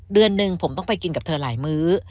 เดือนหนึ่งผมต้องไปกินกับเธอหลายมื้อ